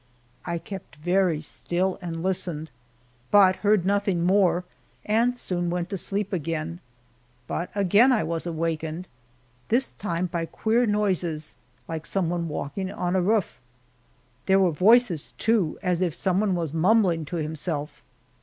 I kept very still and listened, but heard nothing more and soon went to sleep again, but again I was awakened this time by queer noises like some one walking on a roof. There were voices, too, as if some one was mumbling to himself.